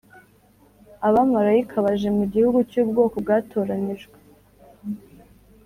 . Abamarayika baje mu gihugu cy’ubwoko bwatoranijwe